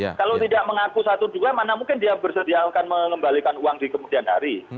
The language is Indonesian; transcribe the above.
kalau tidak mengaku satu dua mana mungkin dia bersedia akan mengembalikan uang di kemudian hari